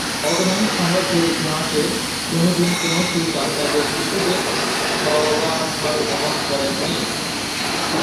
Ottoman সাম্রাজ্যের ইতিহাসে কোনদিন কোন সুলতান তাদের স্ত্রীদের শবাধার বহন করেন নি।